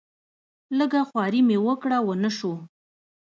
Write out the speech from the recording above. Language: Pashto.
لږه خواري مې وکړه ونه شو.